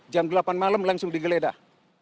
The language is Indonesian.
jam delapan malam langsung digeledah